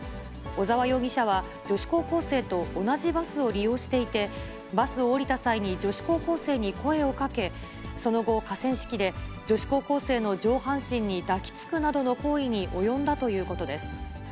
小沢容疑者は、女子高校生と同じバスを利用していて、バスを降りた際に、女子高校生に声をかけ、その後、河川敷で女子高校生の上半身に抱きつくなどの行為に及んだということです。